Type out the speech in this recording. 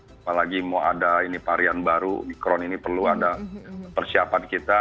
apalagi mau ada ini varian baru omikron ini perlu ada persiapan kita